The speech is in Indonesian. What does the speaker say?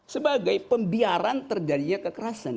sebagai pembiaran terjadinya kekerasan